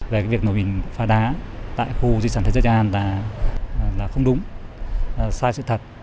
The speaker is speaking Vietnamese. về việc nổ mìn phá đá tại khu di sản thế giới trang an là không đúng sai sự thật